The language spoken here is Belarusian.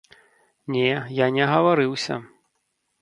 Не, я не агаварыўся.